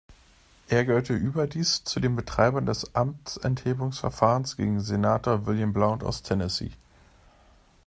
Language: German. Er gehörte überdies zu den Betreibern des Amtsenthebungsverfahrens gegen Senator William Blount aus Tennessee.